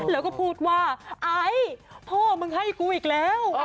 แล้วก็พูดว่าไอ้พ่อมึงให้กูอีกแล้ว